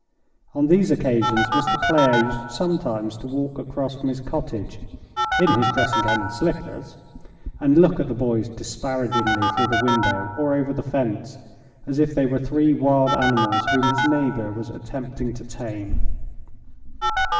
On these occasions, Mr. Clare used sometimes to walk across from his cottage (in his dressing gown and slippers), and look at the boys disparagingly, through the window or over the fence, as if they were three wild animals whom his neighbor was attempting to tame.